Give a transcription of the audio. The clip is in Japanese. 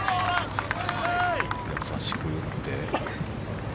優しく打って。